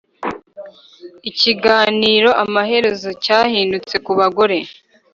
ikiganiro amaherezo cyahindutse ku bagore